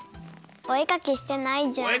おえかきしてないじゃん。